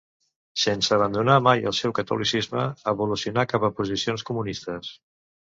Sense abandonar mai el seu catolicisme evolucionà cap a posicions comunistes.